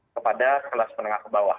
kepada kelas menengah ke bawah